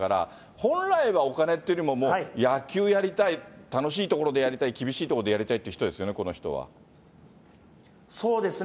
本来はお金っていうよりも、野球やりたい、楽しい所でやりたい、厳しい所でやりたいっていう人ですよね、こそうですね。